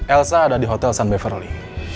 elsa ada di hotel san beverly